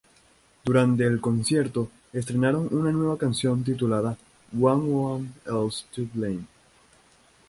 Durante el concierto, estrenaron una nueva canción titulada "No One Else to Blame".